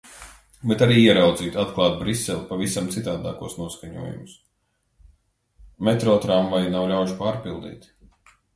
Bet arī ieraudzīt, atklāt Briseli pavisam citādākos noskaņojumus. Metro, tramvaji - nav ļaužu pārpildīti.